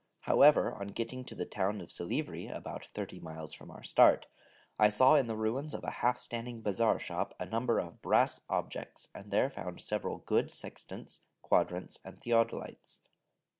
However, on getting to the town of Silivri, about thirty miles from our start, I saw in the ruins of a half standing bazaar shop a number of brass objects, and there found several good sextants, quadrants, and theodolites.